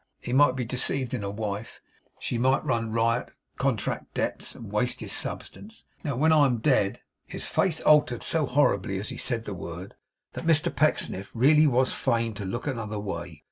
He might be deceived in a wife. She might run riot, contract debts, and waste his substance. Now when I am dead ' His face altered so horribly as he said the word, that Mr Pecksniff really was fain to look another way.